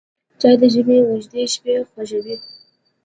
چای د ژمي اوږدې شپې خوږوي